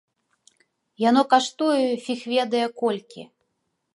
Яно каштуе фіг ведае колькі.